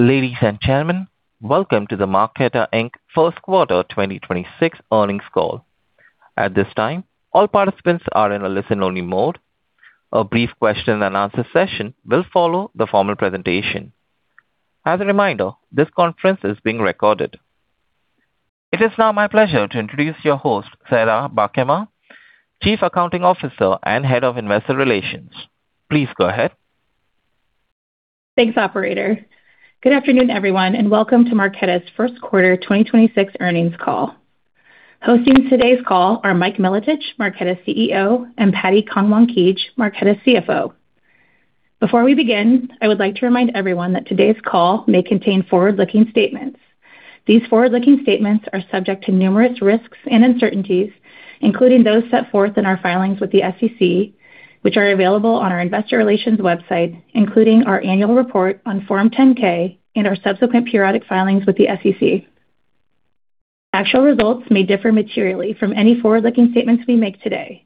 Ladies and gentlemen, welcome to the Marqeta Inc. first quarter 2026 earnings call. At this time, all participants are in a listen-only mode. A brief question and answer session will follow the formal presentation. As a reminder, this conference is being recorded. It is now my pleasure to introduce your host, Sarah Barkema, Chief Accounting Officer and Head of Investor Relations. Please go ahead. Thanks, operator. Good afternoon, everyone, and welcome to Marqeta's first quarter 2026 earnings call. Hosting today's call are Mike Milotich, Marqeta's CEO, and Patti Kangwankij, Marqeta's CFO. Before we begin, I would like to remind everyone that today's call may contain forward-looking statements. These forward-looking statements are subject to numerous risks and uncertainties, including those set forth in our filings with the SEC, which are available on our Investor Relations website, including our annual report on Form 10-K and our subsequent periodic filings with the SEC. Actual results may differ materially from any forward-looking statements we make today.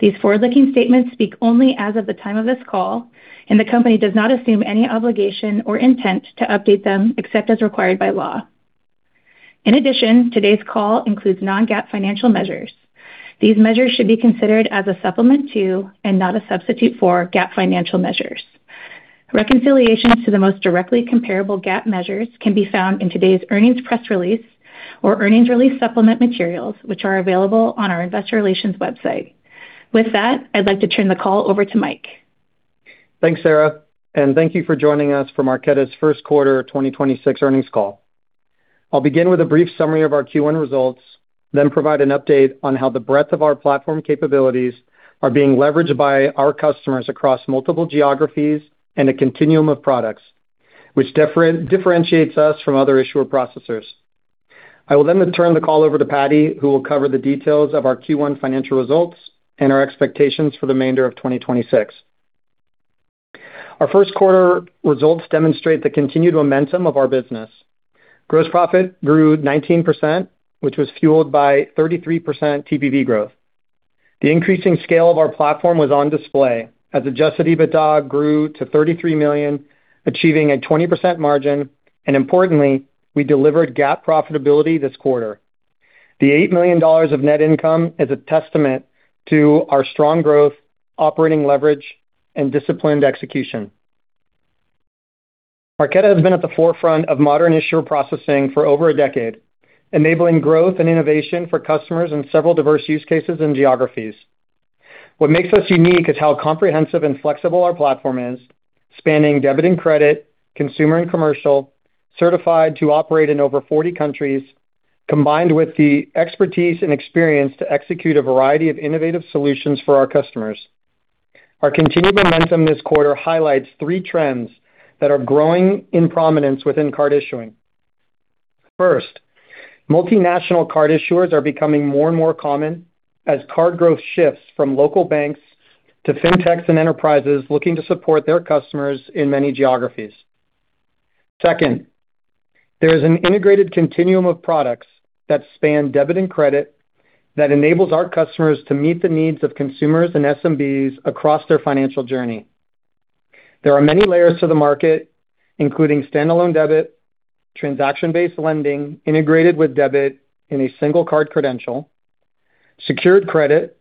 These forward-looking statements speak only as of the time of this call, and the company does not assume any obligation or intent to update them except as required by law. In addition, today's call includes non-GAAP financial measures. These measures should be considered as a supplement to, and not a substitute for, GAAP financial measures. Reconciliations to the most directly comparable GAAP measures can be found in today's earnings press release or earnings release supplement materials, which are available on our Investor Relations website. With that, I'd like to turn the call over to Mike. Thanks, Sarah, and thank you for joining us for Marqeta's first quarter 2026 earnings call. I'll begin with a brief summary of our Q1 results, then provide an update on how the breadth of our platform capabilities are being leveraged by our customers across multiple geographies and a continuum of products, which differentiates us from other issuer processors. I will then turn the call over to Patti, who will cover the details of our Q1 financial results and our expectations for the remainder of 2026. Our first quarter results demonstrate the continued momentum of our business. Gross profit grew 19%, which was fueled by 33% TPV growth. The increasing scale of our platform was on display as adjusted EBITDA grew to $33 million, achieving a 20% margin, and importantly, we delivered GAAP profitability this quarter. The $8 million of net income is a testament to our strong growth, operating leverage, and disciplined execution. Marqeta has been at the forefront of modern issuer processing for over a decade, enabling growth and innovation for customers in several diverse use cases and geographies. What makes us unique is how comprehensive and flexible our platform is, spanning debit and credit, consumer and commercial, certified to operate in over 40 countries, combined with the expertise and experience to execute a variety of innovative solutions for our customers. Our continued momentum this quarter highlights three trends that are growing in prominence within card issuing. First, multinational card issuers are becoming more and more common as card growth shifts from local banks to fintechs and enterprises looking to support their customers in many geographies. Second, there is an integrated continuum of products that span debit and credit that enables our customers to meet the needs of consumers and SMBs across their financial journey. There are many layers to the market, including standalone debit, transaction-based lending integrated with debit in a single card credential, secured credit,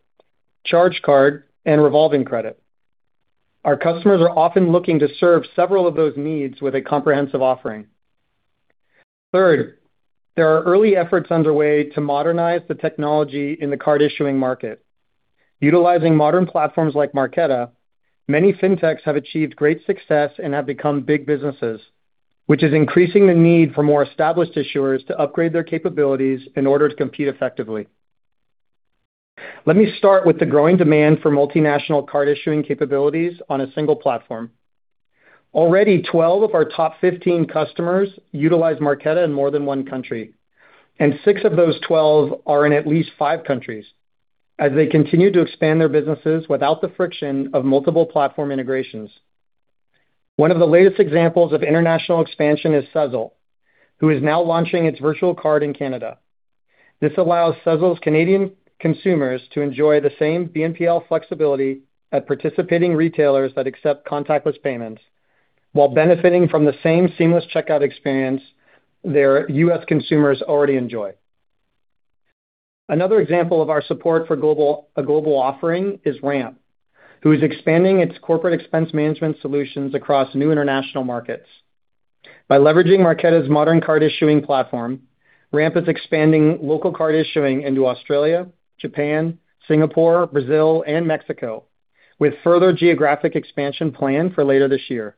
charge card, and revolving credit. Our customers are often looking to serve several of those needs with a comprehensive offering. Third, there are early efforts underway to modernize the technology in the card issuing market. Utilizing modern platforms like Marqeta, many fintechs have achieved great success and have become big businesses, which is increasing the need for more established issuers to upgrade their capabilities in order to compete effectively. Let me start with the growing demand for multinational card issuing capabilities on a single platform. Already, 12 of our top 15 customers utilize Marqeta in more than one country, and six of those 12 are in at least five countries as they continue to expand their businesses without the friction of multiple platform integrations. One of the latest examples of international expansion is Sezzle, who is now launching its virtual card in Canada. This allows Sezzle's Canadian consumers to enjoy the same BNPL flexibility at participating retailers that accept contactless payments while benefiting from the same seamless checkout experience their U.S. consumers already enjoy. Another example of our support for a global offering is Ramp, who is expanding its corporate expense management solutions across new international markets. By leveraging Marqeta's modern card-issuing platform, Ramp is expanding local card issuing into Australia, Japan, Singapore, Brazil, and Mexico, with further geographic expansion planned for later this year.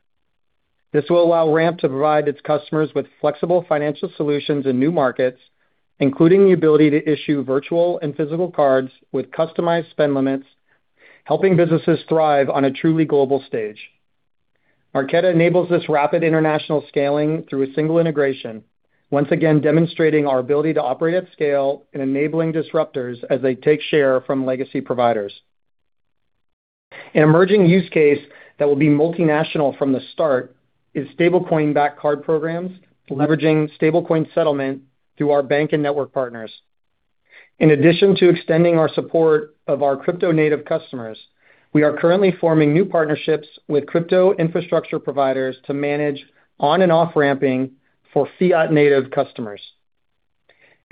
This will allow Ramp to provide its customers with flexible financial solutions in new markets, including the ability to issue virtual and physical cards with customized spend limits, helping businesses thrive on a truly global stage. Marqeta enables this rapid international scaling through a single integration, once again demonstrating our ability to operate at scale and enabling disruptors as they take share from legacy providers. An emerging use case that will be multinational from the start is stablecoin-backed card programs leveraging stablecoin settlement through our bank and network partners. In addition to extending our support of our crypto native customers, we are currently forming new partnerships with crypto infrastructure providers to manage on and off-ramping for fiat native customers.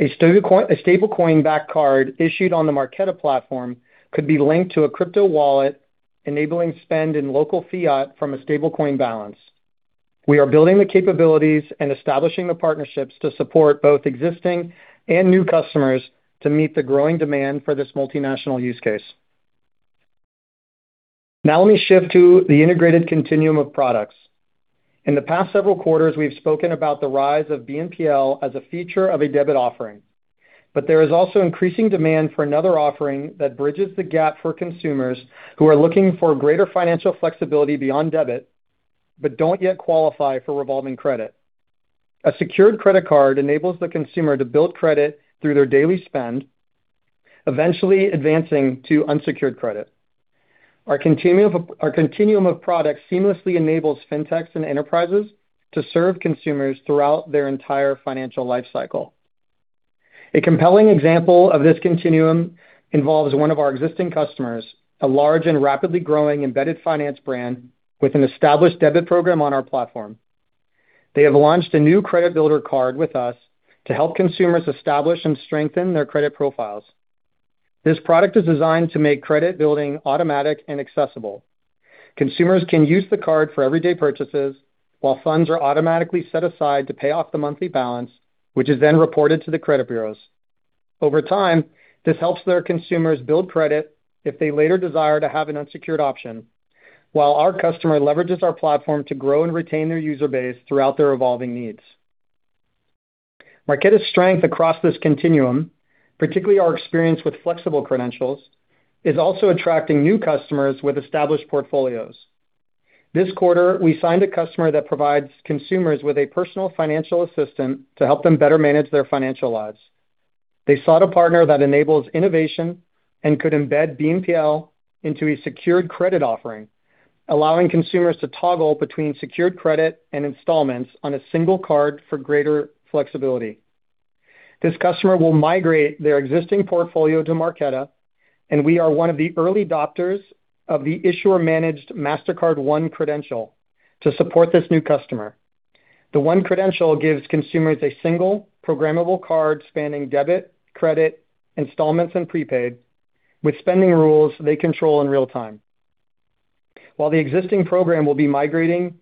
A stablecoin-backed card issued on the Marqeta platform could be linked to a crypto wallet, enabling spend in local fiat from a stablecoin balance. We are building the capabilities and establishing the partnerships to support both existing and new customers to meet the growing demand for this multinational use case. Let me shift to the integrated continuum of products. In the past several quarters, we've spoken about the rise of BNPL as a feature of a debit offering. There is also increasing demand for another offering that bridges the gap for consumers who are looking for greater financial flexibility beyond debit, but don't yet qualify for revolving credit. A secured credit card enables the consumer to build credit through their daily spend, eventually advancing to unsecured credit. Our continuum of products seamlessly enables fintechs and enterprises to serve consumers throughout their entire financial life cycle. A compelling example of this continuum involves one of our existing customers, a large and rapidly growing embedded finance brand with an established debit program on our platform. They have launched a new credit builder card with us to help consumers establish and strengthen their credit profiles. This product is designed to make credit building automatic and accessible. Consumers can use the card for everyday purchases while funds are automatically set aside to pay off the monthly balance, which is then reported to the credit bureaus. Over time, this helps their consumers build credit if they later desire to have an unsecured option, while our customer leverages our platform to grow and retain their user base throughout their evolving needs. Marqeta's strength across this continuum, particularly our experience with Visa Flexible Credentials, is also attracting new customers with established portfolios. This quarter, we signed a customer that provides consumers with a personal financial assistant to help them better manage their financial lives. They sought a partner that enables innovation and could embed BNPL into a secured credit offering, allowing consumers to toggle between secured credit and installments on a single card for greater flexibility. This customer will migrate their existing portfolio to Marqeta, and we are one of the early adopters of the issuer-managed Mastercard One Credential to support this new customer. The One Credential gives consumers a single programmable card spanning debit, credit, installments, and prepaid with spending rules they control in real time. While the existing program will be migrating,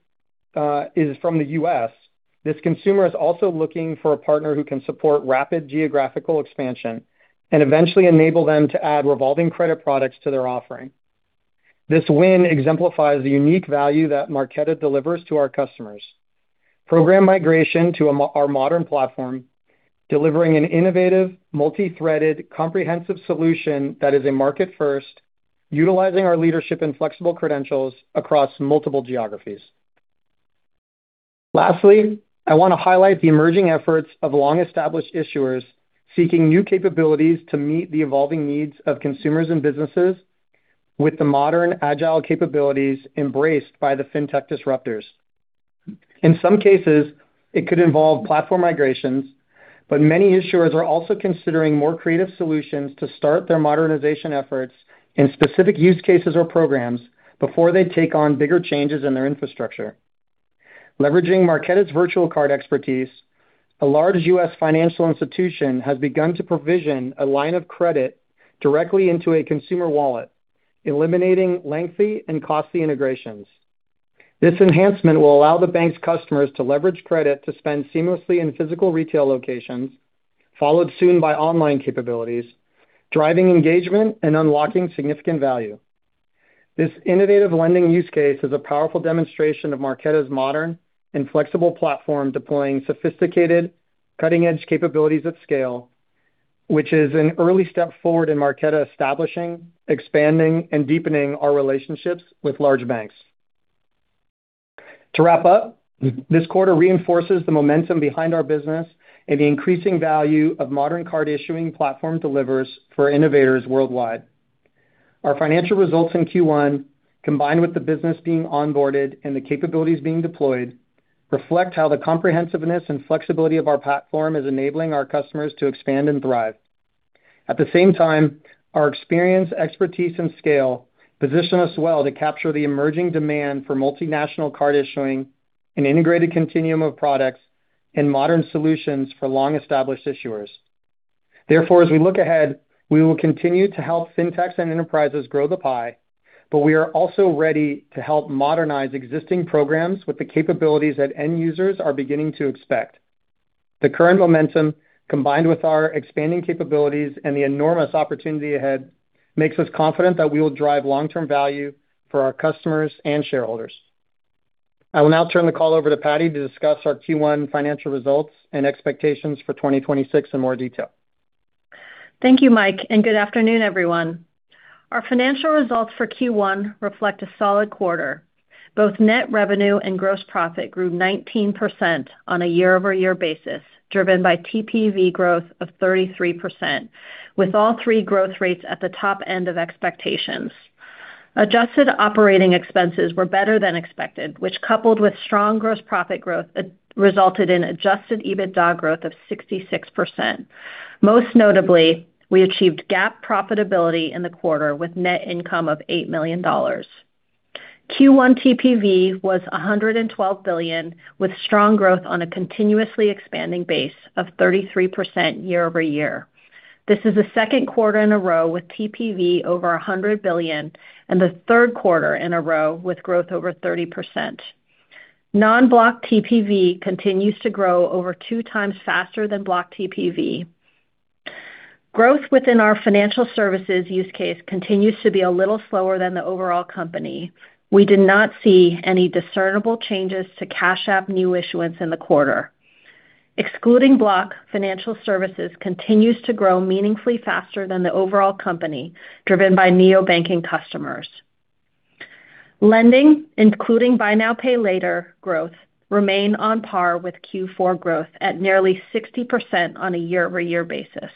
is from the U.S., this consumer is also looking for a partner who can support rapid geographical expansion and eventually enable them to add revolving credit products to their offering. This win exemplifies the unique value that Marqeta delivers to our customers. Program migration to our modern platform, delivering an innovative, multi-threaded, comprehensive solution that is a market first, utilizing our leadership and Visa Flexible Credentials across multiple geographies. Lastly, I wanna highlight the emerging efforts of long-established issuers seeking new capabilities to meet the evolving needs of consumers and businesses with the modern, agile capabilities embraced by the fintech disruptors. In some cases, it could involve platform migrations, but many issuers are also considering more creative solutions to start their modernization efforts in specific use cases or programs before they take on bigger changes in their infrastructure. Leveraging Marqeta's virtual card expertise, a large U.S. financial institution has begun to provision a line of credit directly into a consumer wallet, eliminating lengthy and costly integrations. This enhancement will allow the bank's customers to leverage credit to spend seamlessly in physical retail locations, followed soon by online capabilities, driving engagement and unlocking significant value. This innovative lending use case is a powerful demonstration of Marqeta's modern and flexible platform, deploying sophisticated, cutting-edge capabilities at scale, which is an early step forward in Marqeta establishing, expanding, and deepening our relationships with large banks. To wrap up, this quarter reinforces the momentum behind our business and the increasing value of modern card issuing platform delivers for innovators worldwide. Our financial results in Q1, combined with the business being onboarded and the capabilities being deployed, reflect how the comprehensiveness and flexibility of our platform is enabling our customers to expand and thrive. At the same time, our experience, expertise, and scale position us well to capture the emerging demand for multinational card issuing, an integrated continuum of products, and modern solutions for long-established issuers. As we look ahead, we will continue to help fintechs and enterprises grow the pie, but we are also ready to help modernize existing programs with the capabilities that end users are beginning to expect. The current momentum, combined with our expanding capabilities and the enormous opportunity ahead, makes us confident that we will drive long-term value for our customers and shareholders. I will now turn the call over to Patti to discuss our Q1 financial results and expectations for 2026 in more detail. Thank you, Mike, and good afternoon, everyone. Our financial results for Q1 reflect a solid quarter. Both net revenue and gross profit grew 19% on a year-over-year basis, driven by TPV growth of 33%, with all three growth rates at the top end of expectations. Adjusted operating expenses were better than expected, which coupled with strong gross profit growth, resulted in adjusted EBITDA growth of 66%. Most notably, we achieved GAAP profitability in the quarter with net income of $8 million. Q1 TPV was $112 billion, with strong growth on a continuously expanding base of 33% year-over-year. This is the second quarter in a row with TPV over $100 billion and the third quarter in a row with growth over 30%. Non-Block TPV continues to grow over 2x faster than Block TPV. Growth within our financial services use case continues to be a little slower than the overall company. We did not see any discernible changes to Cash App new issuance in the quarter. Excluding Block, financial services continues to grow meaningfully faster than the overall company, driven by neo banking customers. Lending, including Buy Now, Pay Later growth remain on par with Q4 growth at nearly 60% on a year-over-year basis.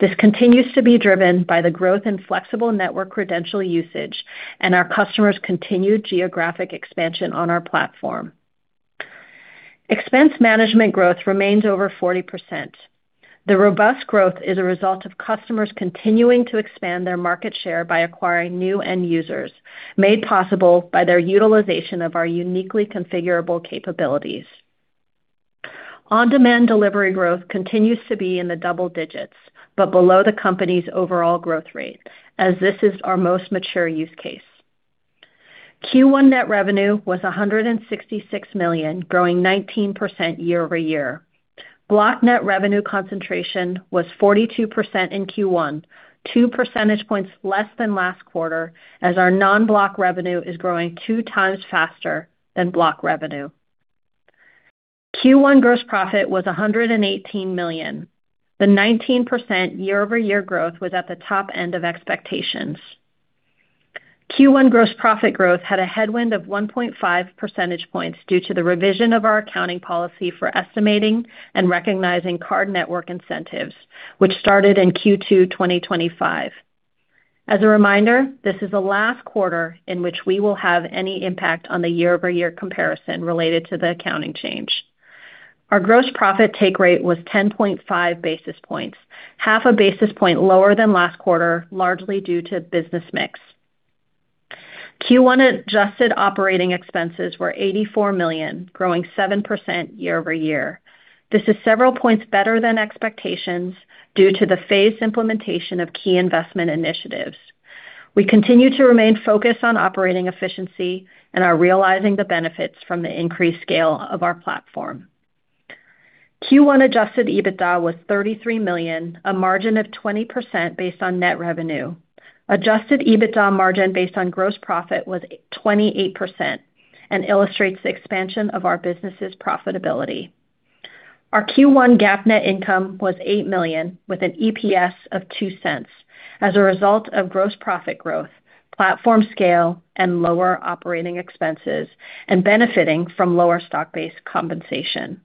This continues to be driven by the growth in flexible network credential usage and our customers' continued geographic expansion on our platform. Expense management growth remains over 40%. The robust growth is a result of customers continuing to expand their market share by acquiring new end users, made possible by their utilization of our uniquely configurable capabilities. On-demand delivery growth continues to be in the double digits, but below the company's overall growth rate, as this is our most mature use case. Q1 net revenue was $166 million, growing 19% year-over-year. Block net revenue concentration was 42% in Q1, 2 percentage points less than last quarter as our non-Block revenue is growing 2x faster than Block revenue. Q1 gross profit was $118 million. The 19% year-over-year growth was at the top end of expectations. Q1 gross profit growth had a headwind of 1.5 percentage points due to the revision of our accounting policy for estimating and recognizing card network incentives, which started in Q2 2025. As a reminder, this is the last quarter in which we will have any impact on the year-over-year comparison related to the accounting change. Our gross profit take rate was 10.5 basis points, half a basis point lower than last quarter, largely due to business mix. Q1 adjusted operating expenses were $84 million, growing 7% year-over-year. This is several points better than expectations due to the phased implementation of key investment initiatives. We continue to remain focused on operating efficiency and are realizing the benefits from the increased scale of our platform. Q1 adjusted EBITDA was $33 million, a margin of 20% based on net revenue. Adjusted EBITDA margin based on gross profit was 28% and illustrates the expansion of our business's profitability. Our Q1 GAAP net income was $8 million with an EPS of $0.02 as a result of gross profit growth, platform scale, and lower operating expenses, and benefiting from lower stock-based compensation.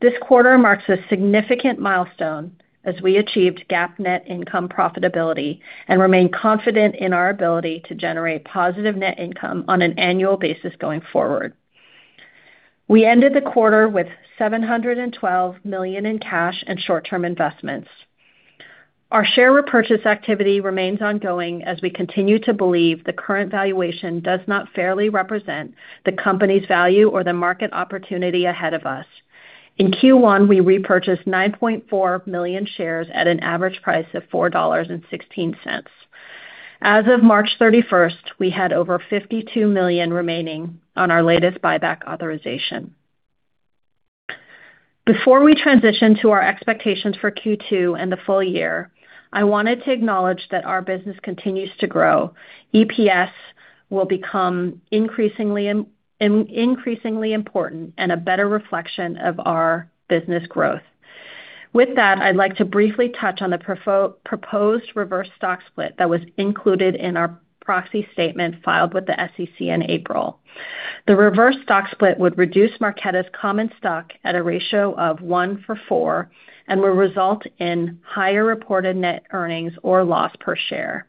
This quarter marks a significant milestone as we achieved GAAP net income profitability and remain confident in our ability to generate positive net income on an annual basis going forward. We ended the quarter with $712 million in cash and short-term investments. Our share repurchase activity remains ongoing as we continue to believe the current valuation does not fairly represent the company's value or the market opportunity ahead of us. In Q1, we repurchased 9.4 million shares at an average price of $4.16. As of March 31st, we had over $52 million remaining on our latest buyback authorization. Before we transition to our expectations for Q2 and the full year, I wanted to acknowledge that our business continues to grow. EPS will become increasingly important and a better reflection of our business growth. With that, I'd like to briefly touch on the proposed reverse stock split that was included in our proxy statement filed with the SEC in April. The reverse stock split would reduce Marqeta's common stock at a ratio of 1:4 and will result in higher reported net earnings or loss per share.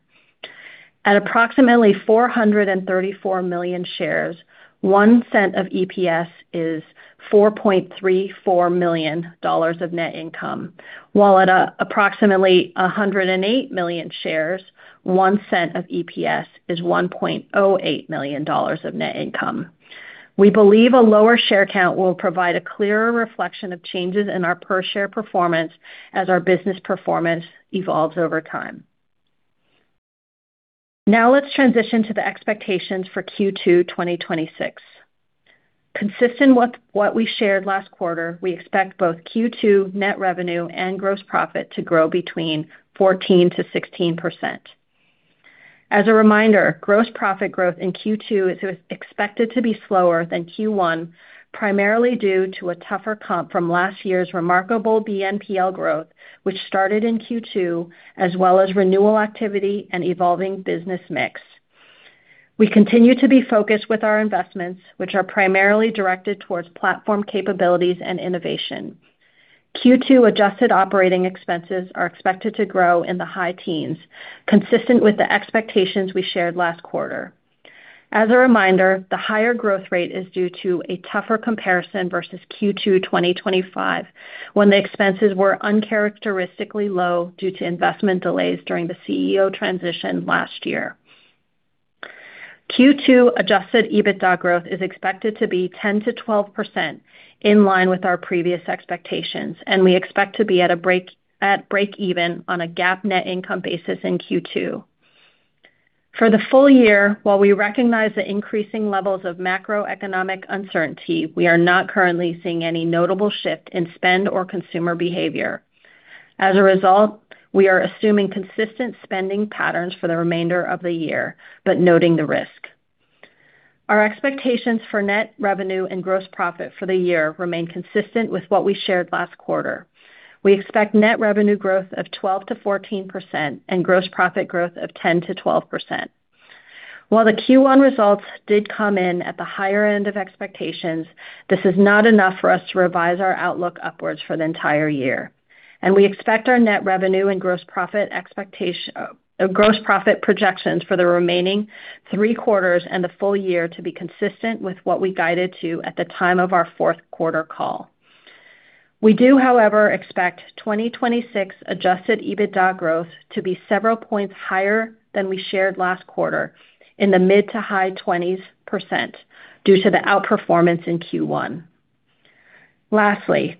At approximately 434 million shares, $0.01 of EPS is $4.34 million of net income, while at approximately 108 million shares, $0.01 of EPS is $1.08 million of net income. We believe a lower share count will provide a clearer reflection of changes in our per share performance as our business performance evolves over time. Let's transition to the expectations for Q2, 2026. Consistent with what we shared last quarter, we expect both Q2 net revenue and gross profit to grow between 14%-16%. As a reminder, gross profit growth in Q2 is expected to be slower than Q1, primarily due to a tougher comp from last year's remarkable BNPL growth, which started in Q2, as well as renewal activity and evolving business mix. We continue to be focused with our investments, which are primarily directed towards platform capabilities and innovation. Q2 adjusted operating expenses are expected to grow in the high teens, consistent with the expectations we shared last quarter. As a reminder, the higher growth rate is due to a tougher comparison versus Q2 2025, when the expenses were uncharacteristically low due to investment delays during the CEO transition last year. Q2 adjusted EBITDA growth is expected to be 10%-12% in line with our previous expectations. We expect to be at break even on a GAAP net income basis in Q2. For the full year, while we recognize the increasing levels of macroeconomic uncertainty, we are not currently seeing any notable shift in spend or consumer behavior. We are assuming consistent spending patterns for the remainder of the year, but noting the risk. Our expectations for net revenue and gross profit for the year remain consistent with what we shared last quarter. We expect net revenue growth of 12%-14% and gross profit growth of 10%-12%. While the Q1 results did come in at the higher end of expectations, this is not enough for us to revise our outlook upwards for the entire year. We expect our net revenue and gross profit projections for the remaining three quarters and the full year to be consistent with what we guided to at the time of our fourth quarter call. We do, however, expect 2026 adjusted EBITDA growth to be several points higher than we shared last quarter in the mid-to-high 20% due to the outperformance in Q1. Lastly,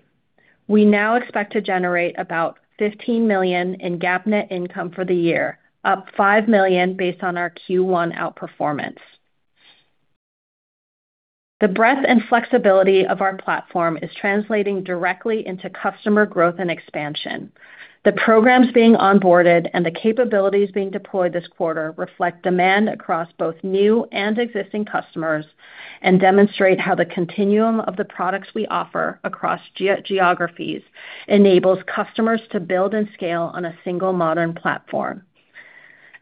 we now expect to generate about $15 million in GAAP net income for the year, up $5 million based on our Q1 outperformance. The breadth and flexibility of our platform is translating directly into customer growth and expansion. The programs being onboarded and the capabilities being deployed this quarter reflect demand across both new and existing customers and demonstrate how the continuum of the products we offer across geographies enables customers to build and scale on a single modern platform.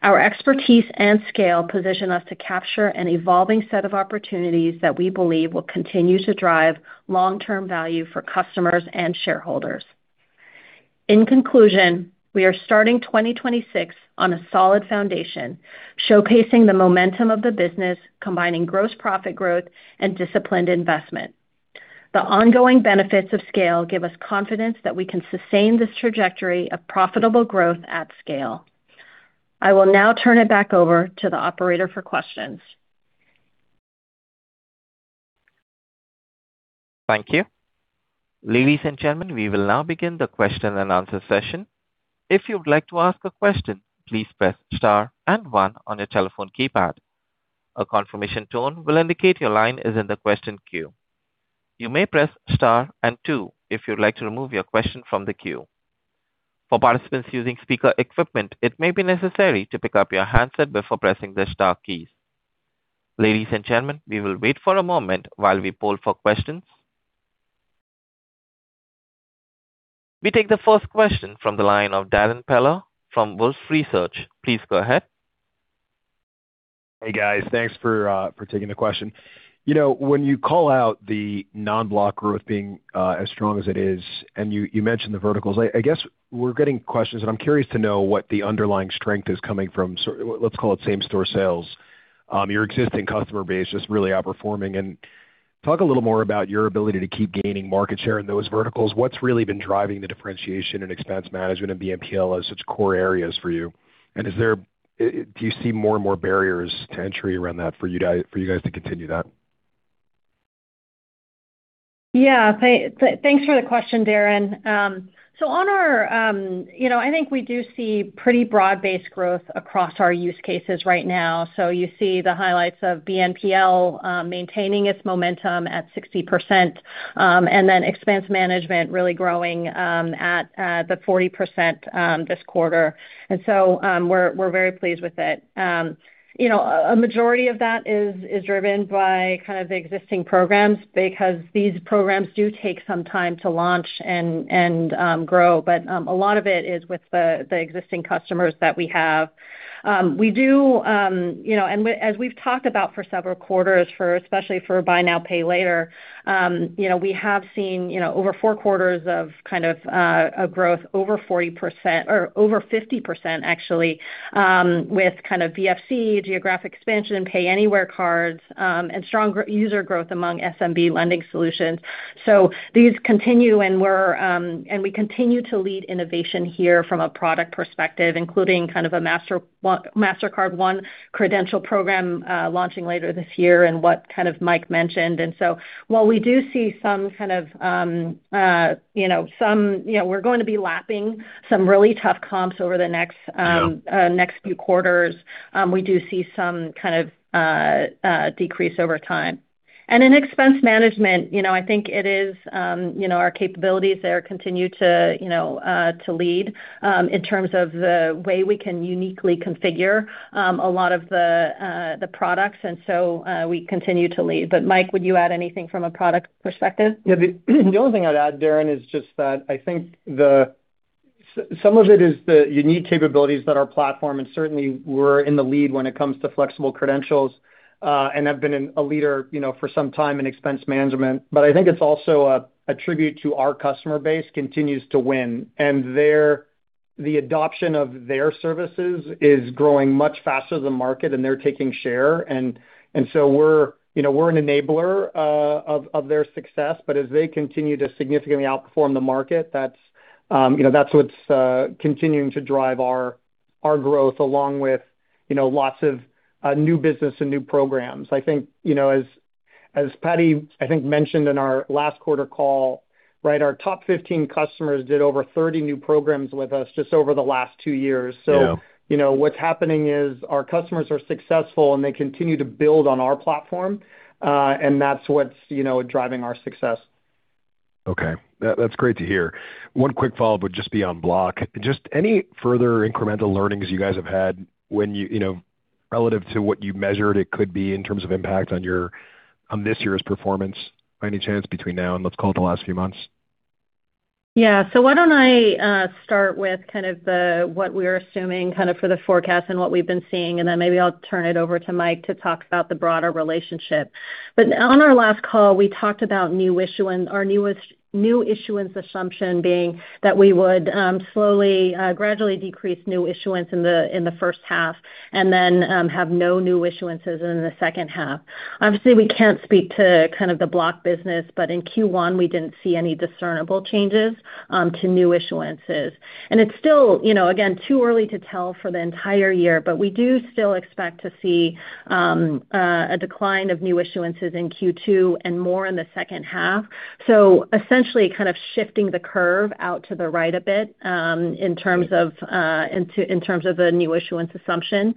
Our expertise and scale position us to capture an evolving set of opportunities that we believe will continue to drive long-term value for customers and shareholders. In conclusion, we are starting 2026 on a solid foundation, showcasing the momentum of the business, combining gross profit growth and disciplined investment. The ongoing benefits of scale give us confidence that we can sustain this trajectory of profitable growth at scale. I will now turn it back over to the operator for questions. Thank you. Ladies and gentlemen, we will now begin the question and answer session. If you'd like to ask a question, please press star and one on your telephone keypad. A confirmation tone will indicate your line is in the question queue. You may press star and two if you'd like to remove your question from the queue. For participants using speaker equipment, it may be necessary to pick up your handset before pressing the star keys. Ladies and gentlemen, we will wait for a moment while we poll for questions. We take the first question from the line of Darrin Peller from Wolfe Research. Please go ahead. Hey, guys. Thanks for taking the question. You know, when you call out the non-Block growth being as strong as it is, and you mentioned the verticals, I guess we're getting questions, and I'm curious to know what the underlying strength is coming from, so let's call it same-store sales. Your existing customer base just really outperforming. Talk a little more about your ability to keep gaining market share in those verticals. What's really been driving the differentiation in expense management and BNPL as such core areas for you? Do you see more and more barriers to entry around that for you guys to continue that? Thanks for the question, Darrin. On our, you know, I think we do see pretty broad-based growth across our use cases right now. You see the highlights of BNPL maintaining its momentum at 60%, and then expense management really growing at the 40% this quarter. We're very pleased with it. You know, a majority of that is driven by kind of the existing programs because these programs do take some time to launch and grow. A lot of it is with the existing customers that we have. We do, you know, and as we've talked about for several quarters, for especially for Buy Now, Pay Later, you know, we have seen over four quarters of kind of a growth over 40% or over 50% actually, with kind of VFC geographic expansion, Payanywhere cards, and strong user growth among SMB lending solutions. These continue, and we're, and we continue to lead innovation here from a product perspective, including kind of a Mastercard One Credential program launching later this year and what kind of Mike mentioned. While we do see some kind of, some, we're going to be lapping some really tough comps over the next few quarters. We do see some kind of decrease over time. In expense management, you know, I think it is, you know, our capabilities there continue to, you know, to lead, in terms of the way we can uniquely configure, a lot of the products. We continue to lead. Mike, would you add anything from a product perspective? Yeah. The only thing I'd add, Darrin, is just that I think some of it is the unique capabilities that our platform, and certainly we're in the lead when it comes to Visa Flexible Credentials, and have been in a leader, you know, for some time in expense management. I think it's also a tribute to our customer base continues to win, and their adoption of their services is growing much faster than market, and they're taking share. We're, you know, we're an enabler of their success. As they continue to significantly outperform the market, that's, you know, that's what's continuing to drive our growth along with, you know, lots of new business and new programs. I think, you know, as Patti, I think, mentioned in our last quarter call, right? Our top 15 customers did over 30 new programs with us just over the last two years. Yeah. you know, what's happening is our customers are successful, and they continue to build on our platform. that's what's, you know, driving our success. Okay. That's great to hear. One quick follow-up would just be on Block, just any further incremental learnings you guys have had when you know, relative to what you measured it could be in terms of impact on your, on this year's performance, by any chance, between now and let's call it the last few months. Yeah. Why don't I start with kind of the what we're assuming kind of for the forecast and what we've been seeing, then maybe I'll turn it over to Mike to talk about the broader relationship. On our last call, we talked about new issuance. Our new issuance assumption being that we would slowly, gradually decrease new issuance in the first half then have no new issuances in the second half. Obviously, we can't speak to kind of the Block business, but in Q1, we didn't see any discernible changes to new issuances. It's still, you know, again, too early to tell for the entire year, but we do still expect to see a decline of new issuances in Q2 and more in the second half. Essentially kind of shifting the curve out to the right a bit. Yeah In terms of the new issuance assumption,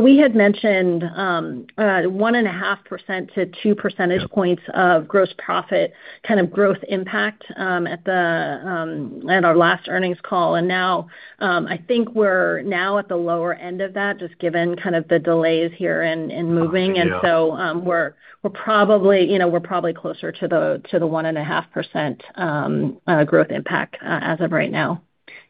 we had mentioned 1.5% to 2 percentage points. Yeah of gross profit kind of growth impact, at our last earnings call. Now, I think we're now at the lower end of that, just given kind of the delays here in moving. Yeah. We're probably, you know, we're probably closer to the 1.5% growth impact as of right now.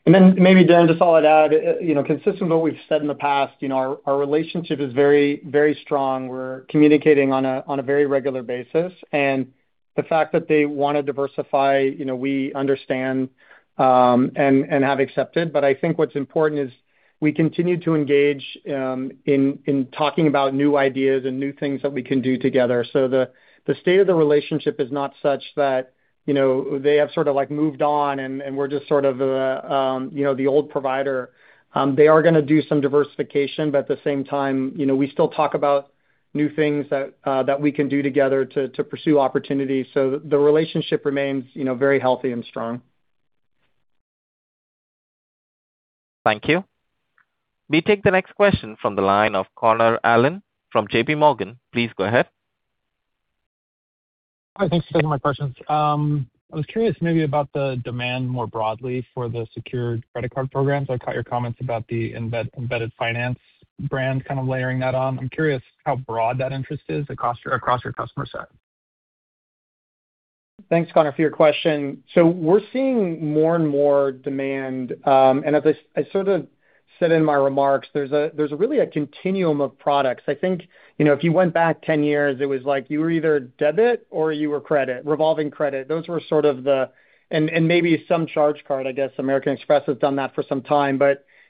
Maybe, Darrin, just I'll add, you know, consistent with what we've said in the past, you know, our relationship is very strong. We're communicating on a very regular basis. The fact that they wanna diversify, you know, we understand and have accepted. I think what's important is we continue to engage in talking about new ideas and new things that we can do together. The state of the relationship is not such that, you know, they have sort of like moved on and we're just sort of the, you know, the old provider. They are gonna do some diversification, but at the same time, you know, we still talk about new things that we can do together to pursue opportunities. The relationship remains, you know, very healthy and strong. Thank you. We take the next question from the line of Connor Allen from JPMorgan. Please go ahead. Hi. Thanks for taking my questions. I was curious maybe about the demand more broadly for the secured credit card program. I caught your comments about the embedded finance brand kind of layering that on. I'm curious how broad that interest is across your, across your customer set. Thanks, Connor, for your question. We're seeing more and more demand. As I sort of said in my remarks, there's really a continuum of products. I think, you know, if you went back 10 years, it was like you were either debit or you were credit, revolving credit. Those were sort of the. Maybe some charge card, I guess. American Express has done that for some time.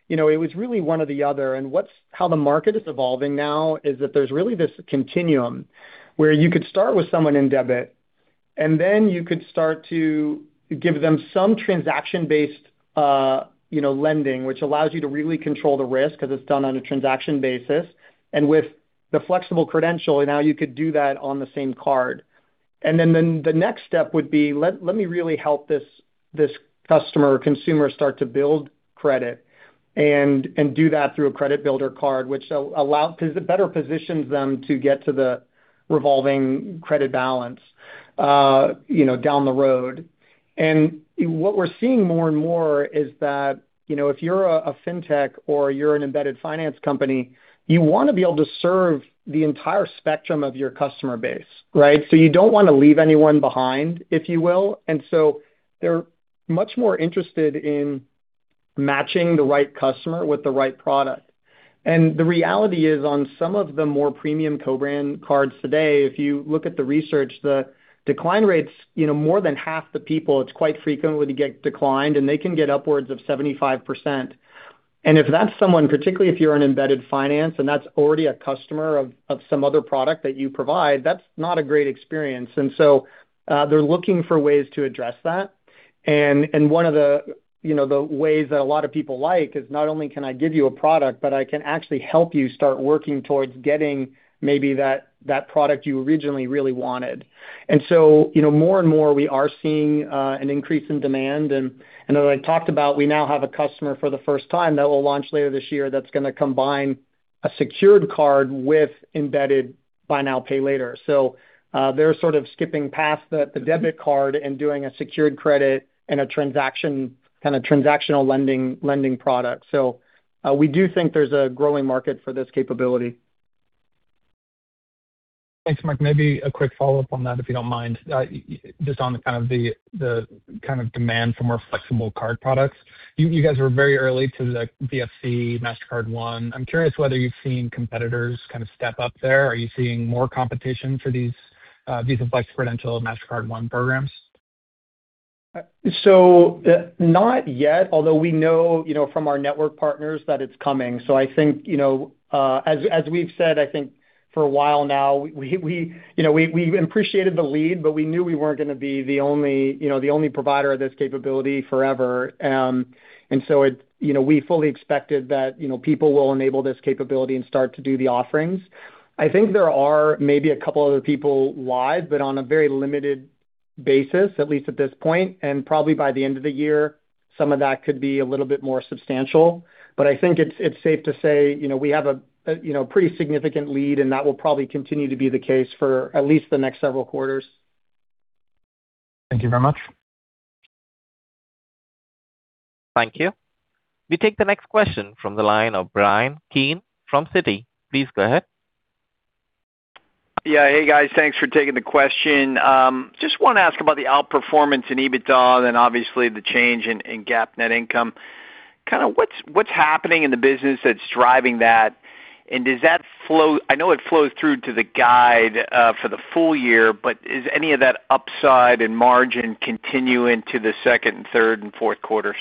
You know, it was really one or the other. How the market is evolving now is that there's really this continuum where you could start with someone in debit, and then you could start to give them some transaction-based, you know, lending, which allows you to really control the risk because it's done on a transaction basis. With the Visa Flexible Credential, now you could do that on the same card. Then the next step would be, let me really help this customer or consumer start to build credit and do that through a credit builder card, which allow 'cause it better positions them to get to the revolving credit balance, you know, down the road. What we're seeing more and more is that, you know, if you're a fintech or you're an embedded finance company, you wanna be able to serve the entire spectrum of your customer base, right? You don't want to leave anyone behind, if you will. They're much more interested in matching the right customer with the right product. The reality is, on some of the more premium co-brand cards today, if you look at the research, the decline rates, you know, more than half the people, it's quite frequently get declined, and they can get upwards of 75%. If that's someone, particularly if you're an embedded finance and that's already a customer of some other product that you provide, that's not a great experience. They're looking for ways to address that. One of the, you know, the ways that a lot of people like is not only can I give you a product, but I can actually help you start working towards getting maybe that product you originally really wanted. More and more we are seeing an increase in demand. You know, I talked about we now have a customer for the first time that will launch later this year that's gonna combine a secured card with embedded Buy Now, Pay Later. They're sort of skipping past the debit card and doing a secured credit and a kind of transactional lending product. We do think there's a growing market for this capability. Thanks, Mike. Maybe a quick follow-up on that, if you don't mind. just on the kind of demand for more flexible card products. You guys were very early to the VFC, Mastercard One Credential. I'm curious whether you've seen competitors kind of step up there. Are you seeing more competition for these, Visa Flexible Credential, Mastercard One Credential programs? Not yet. Although we know, you know, from our network partners that it's coming. I think, you know, as we've said, I think for a while now, we, you know, we appreciated the lead, but we knew we weren't gonna be the only, you know, the only provider of this capability forever. You know, we fully expected that, you know, people will enable this capability and start to do the offerings. I think there are maybe a couple other people live, but on a very limited basis, at least at this point. Probably by the end of the year, some of that could be a little bit more substantial. I think it's safe to say, you know, we have a, you know, pretty significant lead, and that will probably continue to be the case for at least the next several quarters. Thank you very much. Thank you. We take the next question from the line of Bryan Keane from Citi. Please go ahead. Yeah. Hey, guys. Thanks for taking the question. Just wanna ask about the outperformance in EBITDA and obviously the change in GAAP net income. Kind of what's happening in the business that's driving that? Does that flow-- I know it flows through to the guide for the full year, but is any of that upside in margin continuing to the second, third and fourth quarters?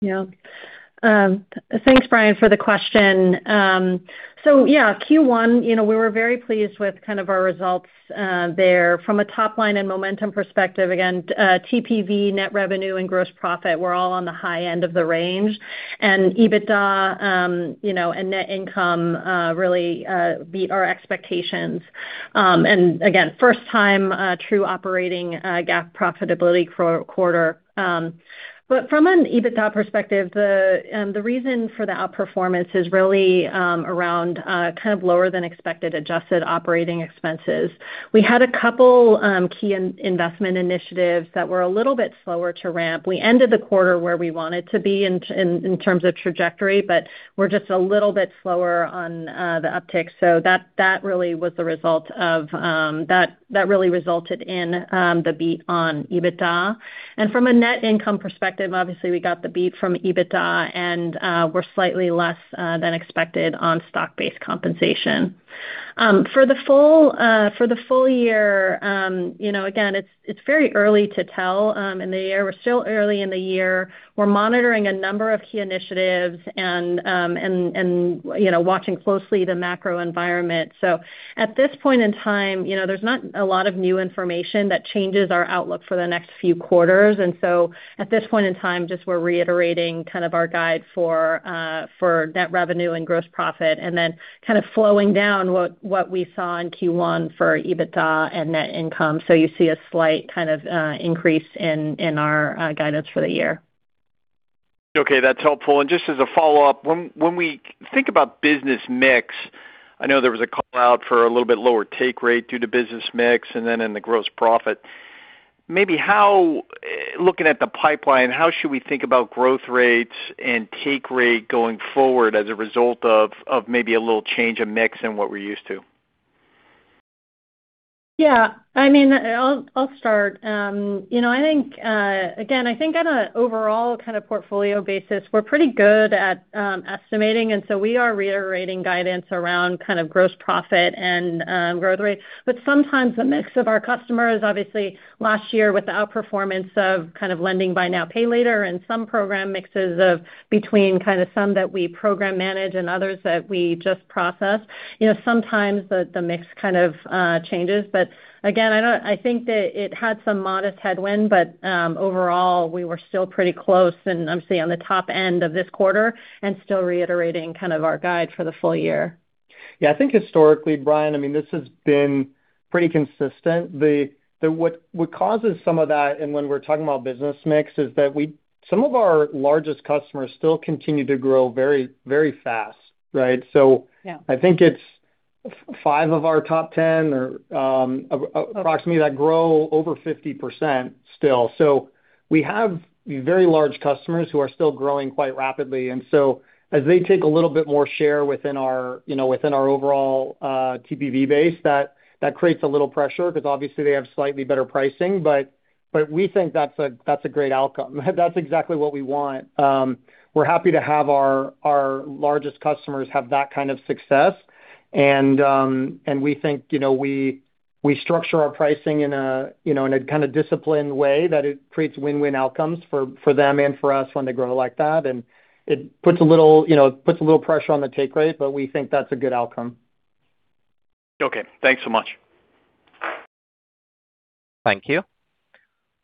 Yeah. Thanks, Bryan, for the question. Yeah, Q1, you know, we were very pleased with kind of our results there. From a top line and momentum perspective, again, TPV net revenue and gross profit were all on the high end of the range. EBITDA, you know, and net income really beat our expectations. Again, first time true operating GAAP profitability quarter. From an EBITDA perspective, the reason for the outperformance is really around kind of lower than expected adjusted operating expenses. We had a couple key in-investment initiatives that were a little bit slower to ramp. We ended the quarter where we wanted to be in terms of trajectory, but we're just a little bit slower on the uptick. That really was the result of, that really resulted in the beat on EBITDA. From a net income perspective, obviously we got the beat from EBITDA and were slightly less than expected on stock-based compensation. For the full year, you know, again, it's very early to tell in the year. We're still early in the year. We're monitoring a number of key initiatives and, you know, watching closely the macro environment. At this point in time, you know, there's not a lot of new information that changes our outlook for the next few quarters. At this point in time, just we're reiterating kind of our guide for net revenue and gross profit and then kind of flowing down what we saw in Q1 for EBITDA and net income. You see a slight kind of increase in our guidance for the year. Okay, that's helpful. Just as a follow-up, when we think about business mix, I know there was a call-out for a little bit lower take rate due to business mix and then in the gross profit. Maybe how, looking at the pipeline, how should we think about growth rates and take rate going forward as a result of maybe a little change of mix in what we're used to? Yeah. I mean, I'll start. You know, I think, again, I think on an overall kind of portfolio basis, we're pretty good at estimating, and so we are reiterating guidance around kind of gross profit and growth rate. Sometimes the mix of our customers, obviously last year with the outperformance of kind of lending Buy Now, Pay Later and some program mixes of between kind of some that we program manage and others that we just process. You know, sometimes the mix kind of changes. Again, I think that it had some modest headwind, but overall, we were still pretty close and obviously on the top end of this quarter and still reiterating kind of our guide for the full year. Yeah. I think historically, Bryan, I mean, this has been pretty consistent. What causes some of that, and when we're talking about business mix, is that some of our largest customers still continue to grow very, very fast, right? Yeah. I think it's five of our top 10 or approximately that grow over 50% still. We have very large customers who are still growing quite rapidly. As they take a little bit more share within our, you know, within our overall TPV base, that creates a little pressure because obviously they have slightly better pricing. But we think that's a great outcome. That's exactly what we want. We're happy to have our largest customers have that kind of success. And we think, you know, we structure our pricing in a, you know, in a kind of disciplined way that it creates win-win outcomes for them and for us when they grow like that. It puts a little, you know, it puts a little pressure on the take rate, but we think that's a good outcome. Okay. Thanks so much. Thank you.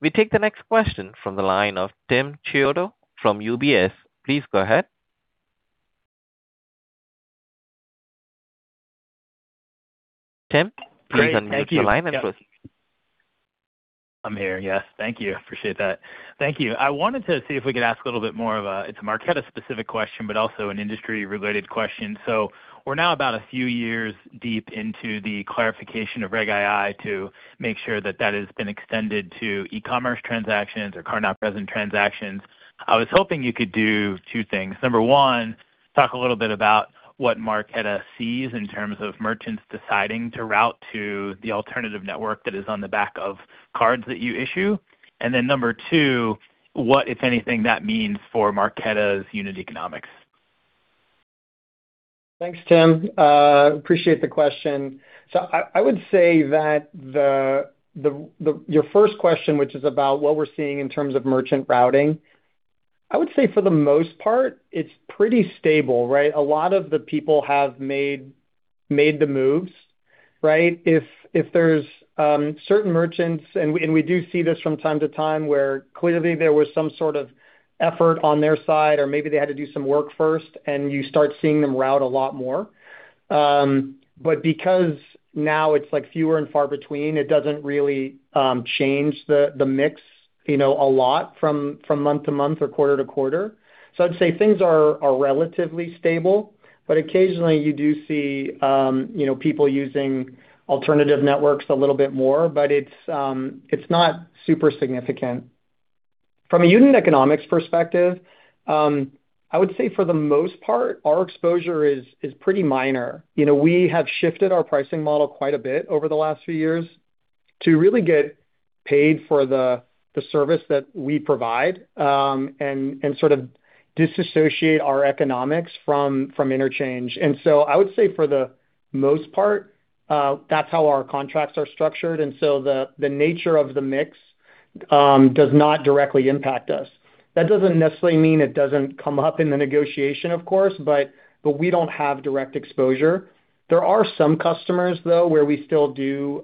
We take the next question from the line of Tim Chiodo from UBS. Please go ahead. Tim, please unmute your line and proceed. I'm here, yes. Thank you. Appreciate that. Thank you. I wanted to see if we could ask a little bit more of a Marqeta specific question, also an industry related question. We're now about a few years deep into the clarification of Regulation II to make sure that that has been extended to e-commerce transactions or card-not-present transactions. I was hoping you could do two things. Number one. Talk a little bit about what Marqeta sees in terms of merchants deciding to route to the alternative network that is on the back of cards that you issue. Number two, what, if anything, that means for Marqeta's unit economics. Thanks, Tim. I appreciate the question. I would say that your first question, which is about what we're seeing in terms of merchant routing, I would say for the most part, it's pretty stable, right? A lot of the people have made the moves, right? If there's certain merchants, and we do see this from time to time, where clearly there was some sort of effort on their side or maybe they had to do some work first, and you start seeing them route a lot more. Because now it's like fewer and far between, it doesn't really change the mix, you know, a lot from month-to-month or quarter-to-quarter. I'd say things are relatively stable. Occasionally you do see, you know, people using alternative networks a little bit more, but it's not super significant. From a unit economics perspective, I would say for the most part, our exposure is pretty minor. You know, we have shifted our pricing model quite a bit over the last few years to really get paid for the service that we provide, and sort of disassociate our economics from interchange. I would say for the most part, that's how our contracts are structured, and so the nature of the mix does not directly impact us. That doesn't necessarily mean it doesn't come up in the negotiation, of course, but we don't have direct exposure. There are some customers, though, where we still do,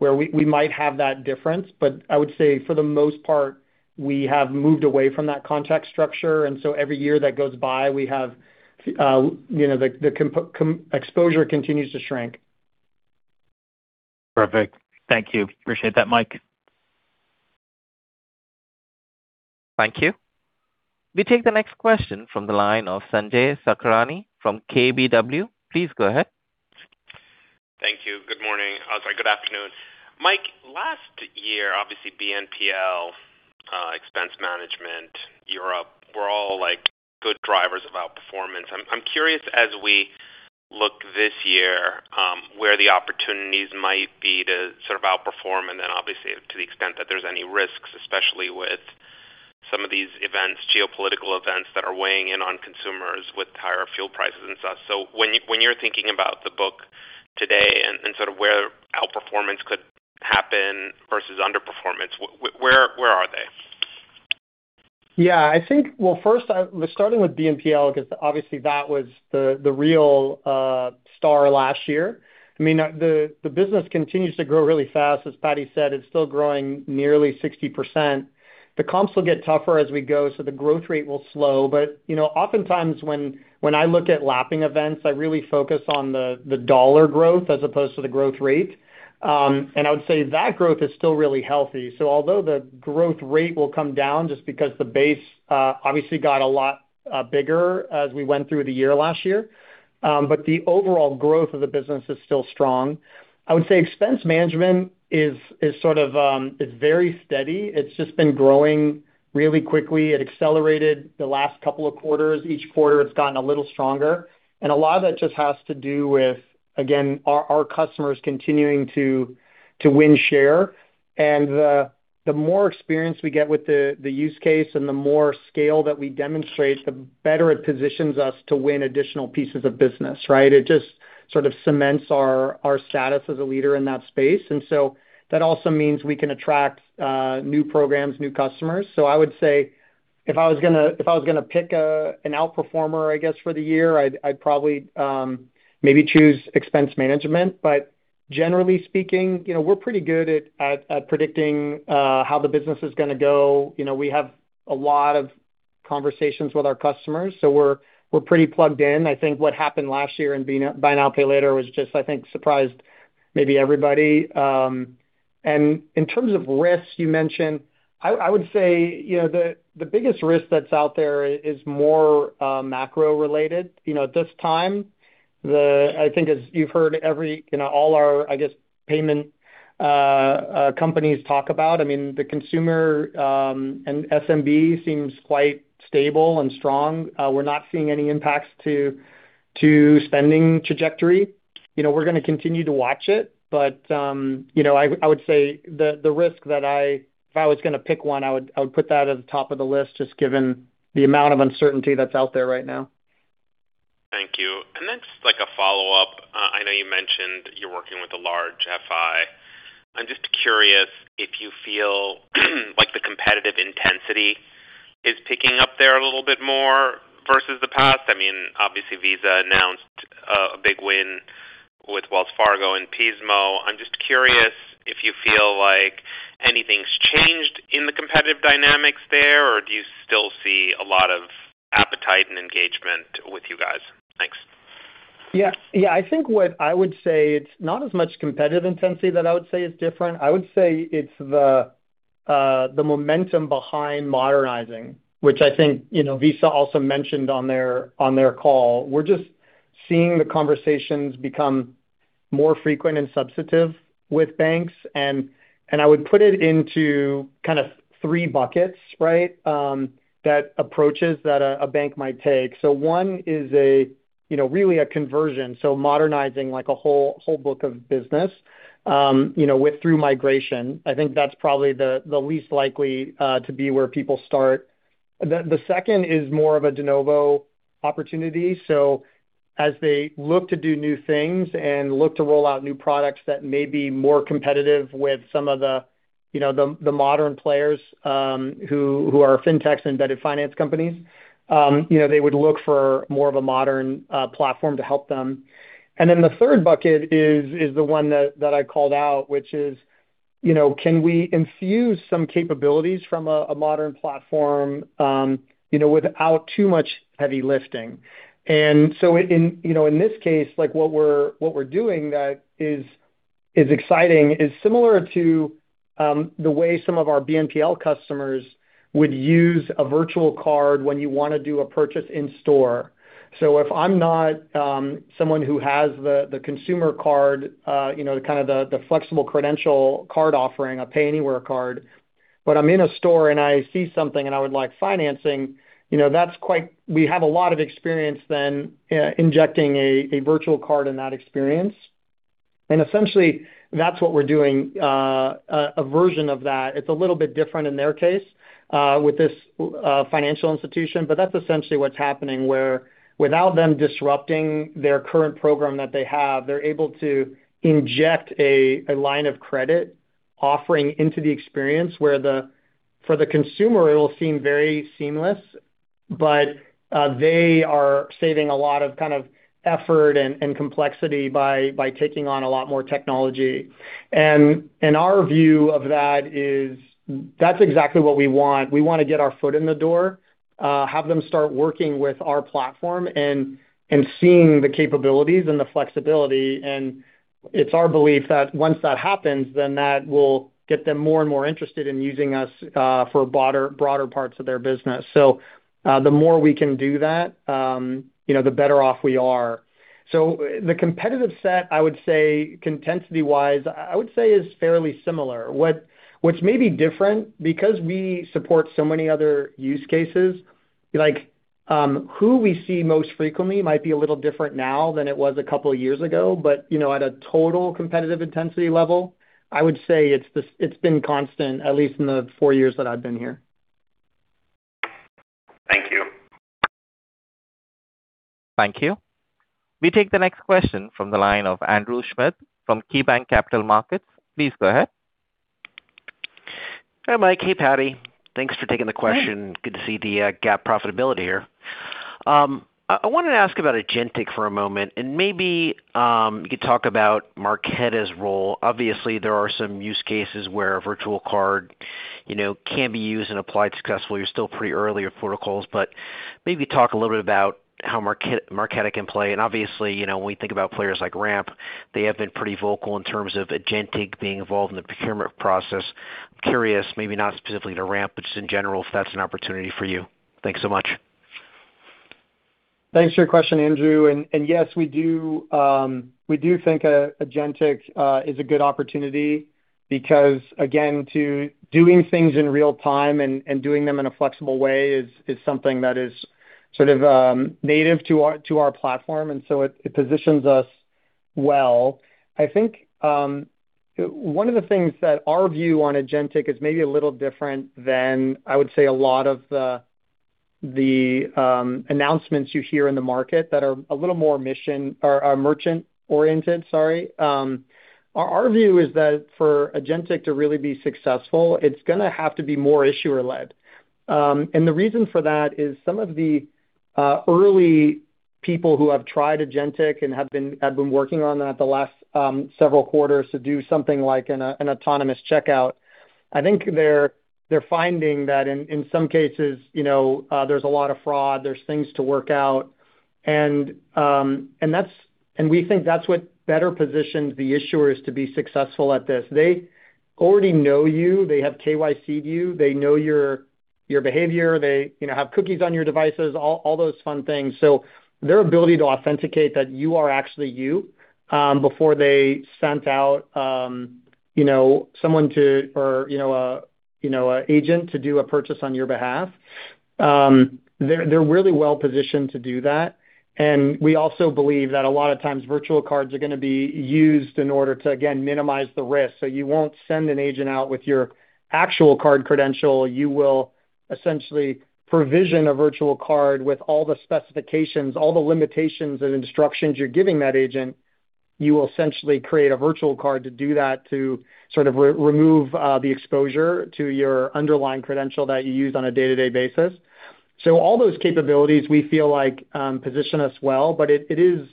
where we might have that difference. I would say for the most part, we have moved away from that contract structure, every year that goes by, we have, you know, the exposure continues to shrink. Perfect. Thank you. Appreciate that, Mike. Thank you. We take the next question from the line of Sanjay Sakhrani from KBW. Please go ahead. Thank you. Good morning. Oh, sorry, good afternoon. Mike, last year, obviously BNPL, expense management, Europe were all, like, good drivers of outperformance. I'm curious as we look this year, where the opportunities might be to sort of outperform and then obviously to the extent that there's any risks, especially with some of these events, geopolitical events that are weighing in on consumers with higher fuel prices and such. When you're thinking about the book today and sort of where outperformance could happen versus underperformance, where are they? Yeah. I think, well, first starting with BNPL, 'cause obviously that was the real star last year. I mean, the business continues to grow really fast. As Patti said, it's still growing nearly 60%. The comps will get tougher as we go, the growth rate will slow. You know, oftentimes when I look at lapping events, I really focus on the dollar growth as opposed to the growth rate. I would say that growth is still really healthy. Although the growth rate will come down just because the base obviously got a lot bigger as we went through the year last year, the overall growth of the business is still strong. I would say expense management is sort of very steady. It's just been growing really quickly. It accelerated the last couple of quarters. Each quarter it's gotten a little stronger. A lot of that just has to do with, again, our customers continuing to win share. The more experience we get with the use case and the more scale that we demonstrate, the better it positions us to win additional pieces of business, right? It just sort of cements our status as a leader in that space. That also means we can attract new programs, new customers. I would say if I was gonna pick an outperformer, I guess, for the year, I'd probably maybe choose expense management. Generally speaking, you know, we're pretty good at predicting how the business is gonna go. You know, we have a lot of conversations with our customers, so we're pretty plugged in. I think what happened last year in Buy Now, Pay Later was just, I think, surprised maybe everybody. And in terms of risks you mentioned, I would say, you know, the biggest risk that's out there is more, macro related. You know, at this time, the I think as you've heard every, you know, all our, I guess, payment, companies talk about, I mean, the consumer, and SMB seems quite stable and strong. We're not seeing any impacts to spending trajectory. You know, we're gonna continue to watch it. You know, I would say the risk that if I was gonna pick one, I would put that at the top of the list, just given the amount of uncertainty that's out there right now. Thank you. Just like a follow-up. I know you mentioned you're working with a large FI. I'm just curious if you feel like the competitive intensity is picking up there a little bit more versus the past. I mean, obviously Visa announced a big win with Wells Fargo and Pismo. I'm just curious if you feel like anything's changed in the competitive dynamics there, or do you still see a lot of appetite and engagement with you guys? Thanks. I think what I would say, it's not as much competitive intensity that I would say is different. I would say it's the momentum behind modernizing, which I think, you know, Visa also mentioned on their call. We're just seeing the conversations become more frequent and substantive with banks. I would put it into kind of three buckets, right? That approaches that a bank might take. One is a, you know, really a conversion, modernizing like a whole book of business, you know, with through migration. I think that's probably the least likely to be where people start. The 2nd is more of a de novo opportunity. As they look to do new things and look to roll out new products that may be more competitive with some of the, you know, the modern players, who are fintechs and embedded finance companies, you know, they would look for more of a modern platform to help them. The third bucket is the one that I called out, which is, you know, can we infuse some capabilities from a modern platform, you know, without too much heavy lifting? In, you know, in this case, like what we're doing that is exciting is similar to the way some of our BNPL customers would use a virtual card when you wanna do a purchase in store. If I'm not, someone who has the consumer card, you know, the kind of the Visa Flexible Credential card offering, a Payanywhere card, but I'm in a store and I see something and I would like financing, you know, We have a lot of experience injecting a virtual card in that experience. Essentially, that's what we're doing, a version of that. It's a little bit different in their case, with this financial institution, but that's essentially what's happening, where without them disrupting their current program that they have, they're able to inject a line of credit offering into the experience where for the consumer it will seem very seamless, but they are saving a lot of kind of effort and complexity by taking on a lot more technology. Our view of that is that's exactly what we want. We wanna get our foot in the door, have them start working with our platform and seeing the capabilities and the flexibility. It's our belief that once that happens, then that will get them more and more interested in using us for broader parts of their business. The more we can do that, you know, the better off we are. The competitive set, I would say intensity-wise is fairly similar. What's maybe different, because we support so many other use cases, like, who we see most frequently might be a little different now than it was a couple of years ago. You know, at a total competitive intensity level, I would say it's been constant at least in the four years that I've been here. Thank you. Thank you. We take the next question from the line of Andrew Schmidt from KeyBanc Capital Markets. Please go ahead. Hi, Mike. Hey, Patti. Thanks for taking the question. Good to see the GAAP profitability here. I wanted to ask about agentic payment for a moment and maybe you could talk about Marqeta's role. Obviously, there are some use cases where a virtual card, you know, can be used and applied successfully. You're still pretty early in protocols, but maybe talk a little bit about how Marqeta can play. Obviously, you know, when we think about players like Ramp, they have been pretty vocal in terms of agentic payment being involved in the procurement process. I'm curious, maybe not specifically to Ramp, but just in general, if that's an opportunity for you. Thanks so much. Thanks for your question, Andrew. Yes, we do think agentic payment is a good opportunity because again, doing things in real time and doing them in a flexible way is something that is sort of native to our platform, so it positions us well. I think one of the things that our view on agentic payment is maybe a little different than, I would say, a lot of the announcements you hear in the market that are a little more mission or merchant-oriented. Sorry. Our view is that for agentic payment to really be successful, it's gonna have to be more issuer-led. The reason for that is some of the early people who have tried agentic payment and have been working on that the last several quarters to do something like an autonomous checkout, I think they're finding that in some cases, you know, there's a lot of fraud, there's things to work out. We think that's what better positions the issuers to be successful at this. They already know you. They have KYC'd you. They know your behavior. They, you know, have cookies on your devices, all those fun things. Their ability to authenticate that you are actually you before they sent out, you know, someone to or, you know, an agent to do a purchase on your behalf, they're really well-positioned to do that. We also believe that a lot of times virtual cards are going to be used in order to, again, minimize the risk. You won't send an agent out with your actual card credential. You will essentially provision a virtual card with all the specifications, all the limitations and instructions you're giving that agent. You will essentially create a virtual card to do that to sort of remove the exposure to your underlying credential that you use on a day-to-day basis. All those capabilities, we feel like, position us well, but it is,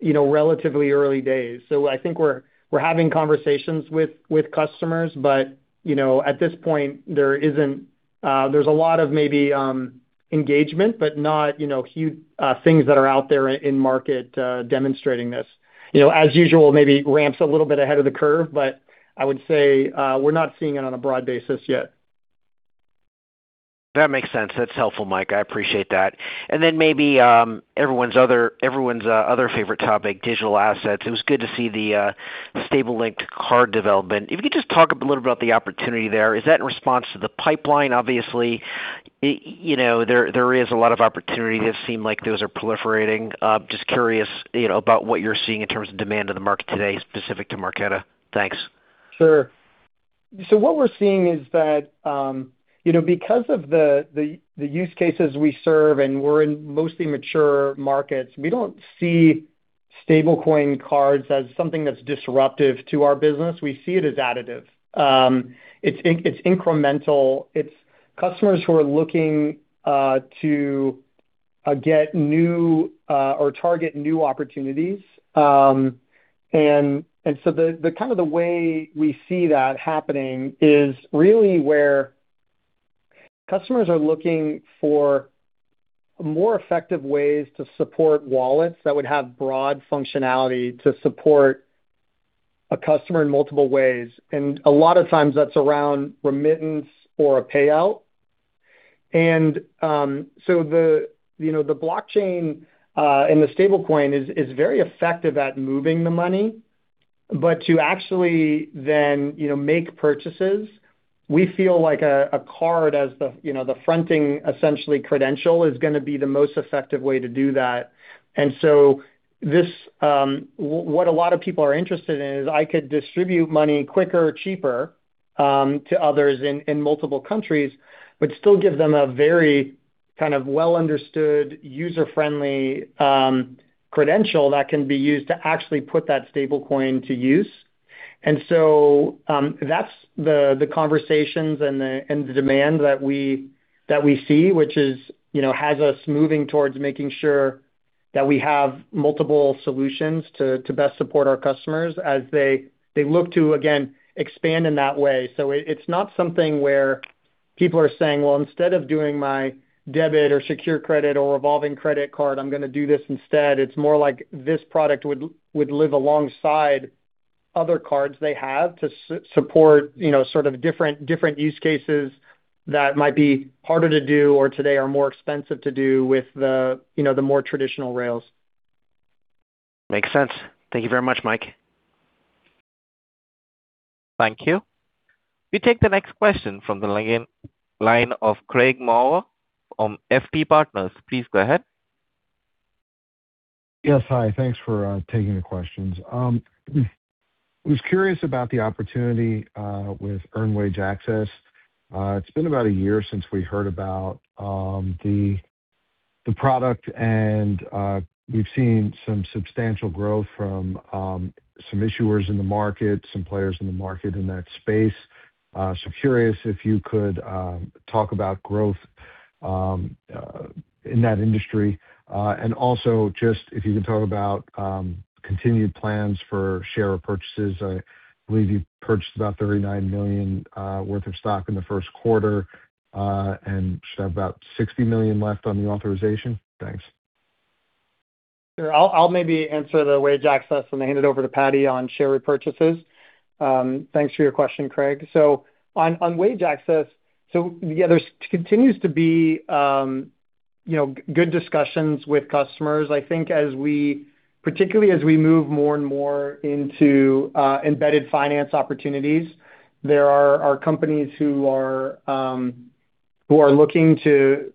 you know, relatively early days. I think we're having conversations with customers. You know, at this point, there isn't there's a lot of maybe engagement, but not, you know, huge things that are out there in market demonstrating this. You know, as usual, maybe Ramp's a little bit ahead of the curve, but I would say, we're not seeing it on a broad basis yet. That makes sense. That's helpful, Mike. I appreciate that. Then maybe everyone's other favorite topic, digital assets. It was good to see the stablecoin-linked card development. If you could just talk a little about the opportunity there. Is that in response to the pipeline? Obviously, you know, there is a lot of opportunity. It does seem like those are proliferating. Just curious, you know, about what you're seeing in terms of demand in the market today specific to Marqeta. Thanks. Sure. What we're seeing is that, you know, because of the use cases we serve and we're in mostly mature markets, we don't see stablecoin cards as something that's disruptive to our business. We see it as additive. It's incremental. It's customers who are looking to get new or target new opportunities. The kind of the way we see that happening is really where customers are looking for more effective ways to support wallets that would have broad functionality to support a customer in multiple ways. A lot of times that's around remittance or a payout. The, you know, the blockchain and the stablecoin is very effective at moving the money. To actually then, you know, make purchases, we feel like a card as the, you know, the fronting essentially credential is gonna be the most effective way to do that. This what a lot of people are interested in is I could distribute money quicker, cheaper, to others in multiple countries, but still give them a very kind of well-understood, user-friendly, credential that can be used to actually put that stablecoin to use. That's the conversations and the demand that we see, which is, you know, has us moving towards making sure that we have multiple solutions to best support our customers as they look to, again, expand in that way. It's not something where people are saying, "Well, instead of doing my debit or secure credit or revolving credit card, I'm gonna do this instead." It's more like this product would live alongside other cards they have to support, you know, sort of different use cases that might be harder to do or today are more expensive to do with the, you know, the more traditional rails. Makes sense. Thank you very much, Mike. Thank you. We take the next question from the line of Craig Maurer from FT Partners. Please go ahead. Yes. Hi. Thanks for taking the questions. I was curious about the opportunity with Earned Wage Access. It's been about a year since we heard about the product and we've seen some substantial growth from some issuers in the market, some players in the market in that space. Curious if you could talk about growth in that industry. Also if you could talk about continued plans for share repurchases. I believe you purchased about $39 million worth of stock in the first quarter and should have about $60 million left on the authorization. Thanks. Sure. I'll maybe answer the Earned Wage Access, then hand it over to Patti on share repurchases. Thanks for your question, Craig. On Earned Wage Access, yeah, there's continues to be, you know, good discussions with customers. I think as we, particularly as we move more and more into embedded finance opportunities, there are companies who are looking to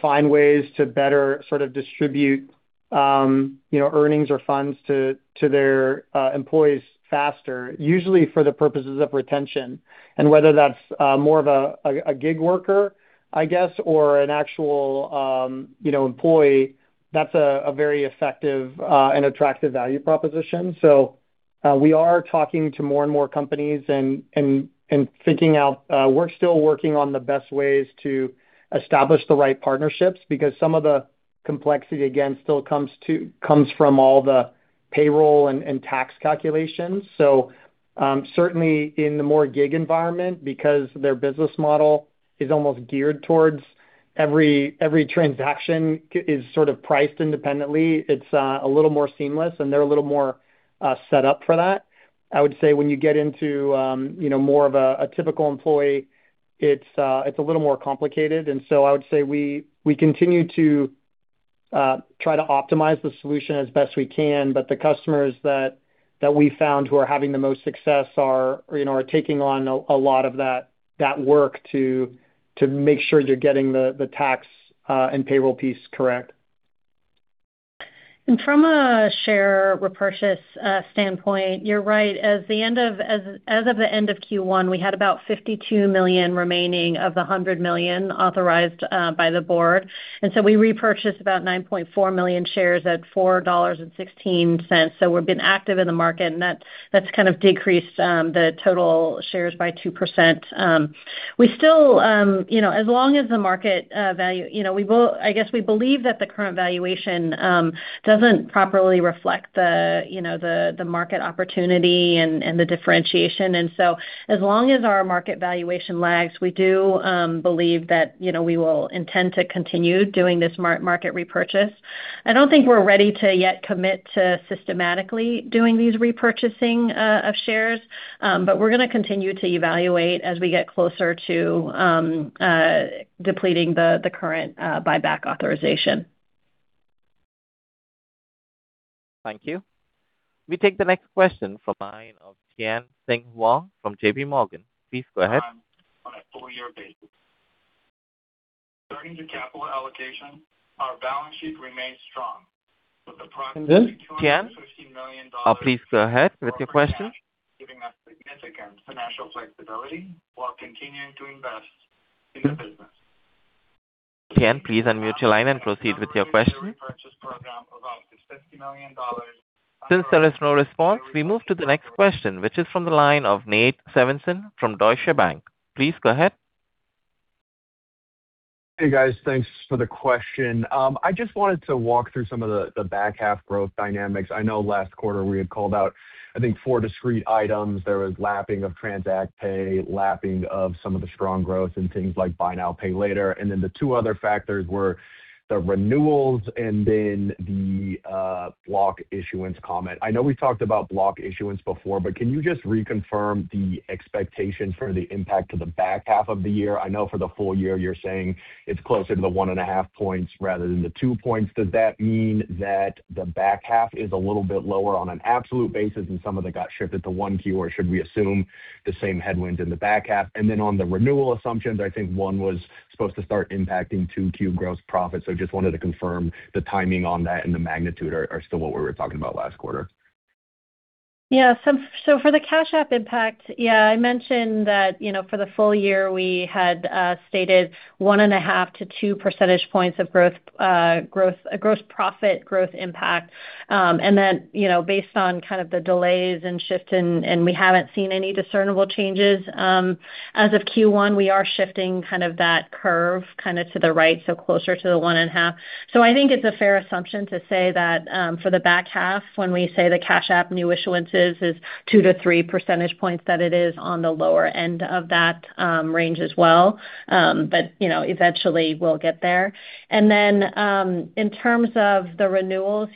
find ways to better sort of distribute, you know, earnings or funds to their employees faster, usually for the purposes of retention. Whether that's more of a gig worker, I guess, or an actual, you know, employee, that's a very effective and attractive value proposition. We are talking to more and more companies. We're still working on the best ways to establish the right partnerships because some of the complexity, again, still comes from all the payroll and tax calculations. Certainly in the more gig environment, because their business model is almost geared towards every transaction is sort of priced independently. It's a little more seamless, and they're a little more set up for that. I would say when you get into, you know, more of a typical employee, it's a little more complicated. I would say we continue to try to optimize the solution as best we can, but the customers that we found who are having the most success are, you know, are taking on a lot of that work to make sure they're getting the tax and payroll piece correct. From a share repurchase standpoint, you're right. As of the end of Q1, we had about $52 million remaining of the $100 million authorized by the board. We repurchased about 9.4 million shares at $4.16. We've been active in the market, and that's kind of decreased the total shares by 2%. We still, you know, as long as the market value, you know, we believe that the current valuation doesn't properly reflect the market opportunity and the differentiation. As long as our market valuation lags, we do believe that, you know, we will intend to continue doing this market repurchase. I don't think we're ready to yet commit to systematically doing these repurchasing of shares. We're gonna continue to evaluate as we get closer to depleting the current buyback authorization. Thank you. We take the next question from the line of Tien-tsin Huang from JPMorgan. Please go ahead. On a full year basis. Turning to capital allocation, our balance sheet remains strong, with approximately $215 million- Please go ahead with your question. Giving us significant financial flexibility while continuing to invest in the business. Tien-Tsin, please unmute your line and proceed with your question. Purchase program of up to $50 million. Since there is no response, we move to the next question, which is from the line of Nate Svensson from Deutsche Bank. Please go ahead. Hey, guys. Thanks for the question. I just wanted to walk through some of the back half growth dynamics. I know last quarter we had called out, I think, four discrete items. There was lapping of TransactPay, lapping of some of the strong growth in things like Buy Now, Pay Later. The two other factors were the renewals and then the Block issuance comment. I know we talked about Block issuance before, can you just reconfirm the expectation for the impact to the back half of the year? I know for the full year you're saying it's closer to the 1.5 points rather than the 2 points. Does that mean that the back half is a little bit lower on an absolute basis, some of it got shifted to 1Q? Should we assume the same headwind in the back half? On the renewal assumptions, I think one was supposed to start impacting 2Q gross profit. Just wanted to confirm the timing on that and the magnitude are still what we were talking about last quarter? Yeah. For the Cash App impact, yeah, I mentioned that, you know, for the full year, we had stated 1.5-2 percentage points of gross profit growth impact. You know, based on kind of the delays and we haven't seen any discernible changes as of Q1, we are shifting kind of that curve kinda to the right, so closer to the 1.5 percentage points. I think it's a fair assumption to say that for the back half, when we say the Cash App new issuances is 2-3 percentage points, that it is on the lower end of that range as well. You know, eventually we'll get there. In terms of the renewals,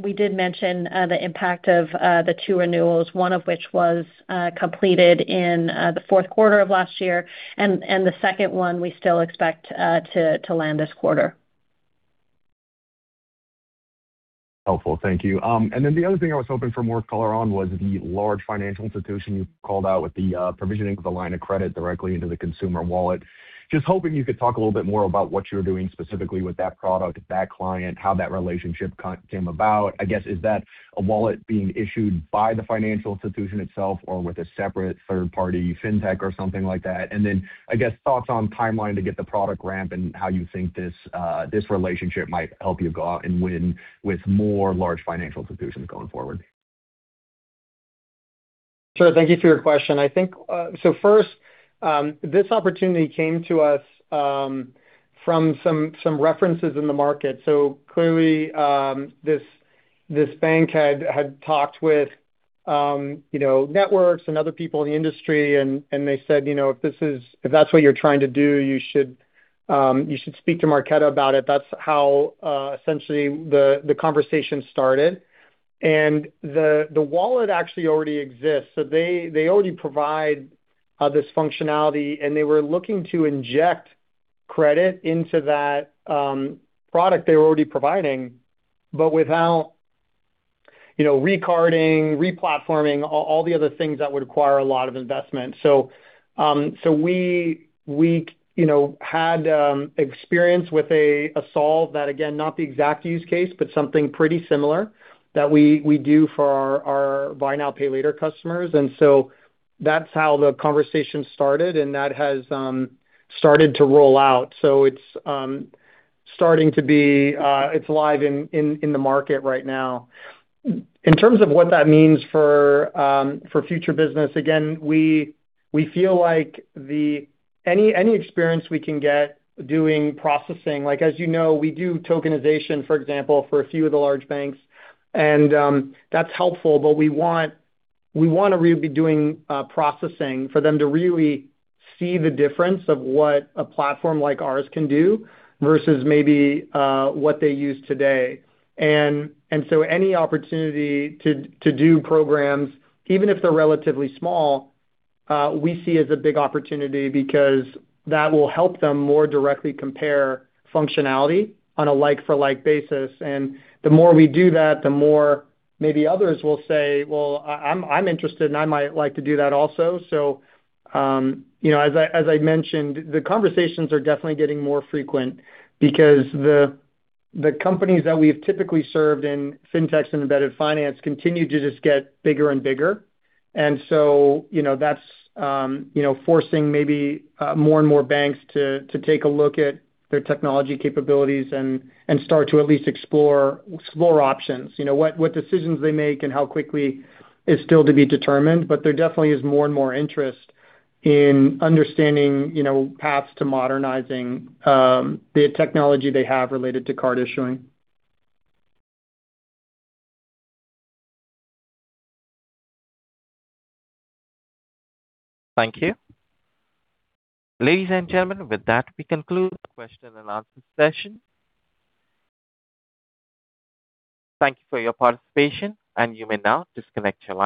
We did mention the impact of the two renewals, one of which was completed in the fourth quarter of last year. The second one we still expect to land this quarter. Helpful. Thank you. The other thing I was hoping for more color on was the large financial institution you called out with the provisioning of the line of credit directly into the consumer wallet. Just hoping you could talk a little bit more about what you're doing specifically with that product, that client, how that relationship came about. I guess, is that a wallet being issued by the financial institution itself or with a separate third-party fintech or something like that? I guess, thoughts on timeline to get the product Ramp and how you think this relationship might help you go out and win with more large financial institutions going forward. Sure. Thank you for your question. First, this opportunity came to us from some references in the market. Clearly, this bank had talked with, you know, networks and other people in the industry and they said, "You know, if that's what you're trying to do, you should speak to Marqeta about it." That's how essentially the conversation started. The wallet actually already exists. They already provide this functionality, and they were looking to inject credit into that product they were already providing, but without, you know, recarding, replatforming, all the other things that would require a lot of investment. We, we, you know, had experience with a solve that, again, not the exact use case, but something pretty similar that we do for our Buy Now, Pay Later customers. That's how the conversation started, and that has started to roll out. It's starting to be, it's live in, in the market right now. In terms of what that means for future business, again, we feel like the-- any experience we can get doing processing, like, as you know, we do tokenization, for example, for a few of the large banks, and that's helpful. We wanna really be doing processing for them to really see the difference of what a platform like ours can do versus maybe what they use today. Any opportunity to do programs, even if they're relatively small, we see as a big opportunity because that will help them more directly compare functionality on a like-for-like basis. The more we do that, the more maybe others will say, "Well, I'm interested and I might like to do that also." You know, as I mentioned, the conversations are definitely getting more frequent because the companies that we have typically served in fintechs and embedded finance continue to just get bigger and bigger. You know, that's, you know, forcing maybe more and more banks to take a look at their technology capabilities and start to at least explore options. You know, what decisions they make and how quickly is still to be determined, but there definitely is more and more interest in understanding, you know, paths to modernizing the technology they have related to card issuing. Thank you. Ladies and gentlemen, with that, we conclude the question and answer session. Thank you for your participation. You may now disconnect your lines.